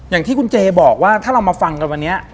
อย่างที่คุณเจบอกว่าถ้าเรามาฟังกันวันนี้